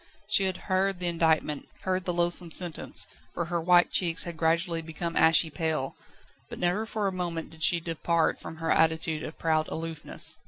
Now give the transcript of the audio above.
She had heard the indictment, heard the loathsome sentence, for her white cheeks had gradually become ashy pale, but never for a moment did she depart from her attitude of proud aloofness.